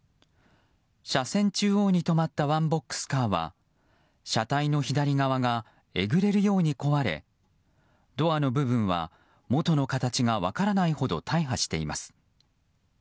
車線中央に止まったワンボックスカーは車体の左側がえぐれるように壊れドアの部分は元の形が分からないほど大破しています。